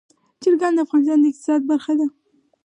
چرګان د افغانستان د اقتصاد برخه ده.